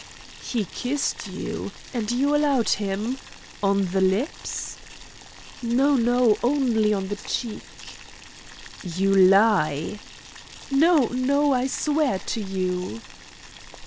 "He kissed you! And you allowed him? On the lips?" "No, no! Only on the cheek." "You lie!" "No, no. I swear to you."